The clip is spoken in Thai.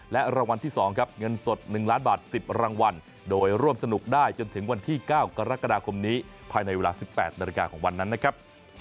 และรางวัลที่๒ครับเงินสด๑ล้านบาท๑๐รางวัลโดยร่วมสนุกได้จนถึงวันที่๙กรกฎาคมนี้ภายในเวลา๑๘นาฬิกาของวันนั้นนะครับ